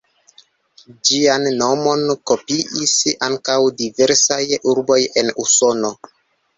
Ĝian nomon kopiis ankaŭ diversaj urboj en Usono.